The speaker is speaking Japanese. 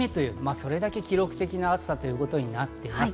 それだけ記録的な暑さということになっています。